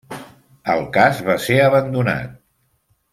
El cas va ser abandonat.